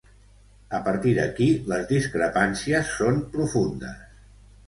A partir d’aquí, les discrepàncies són profundes.